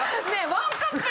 ワンカップ。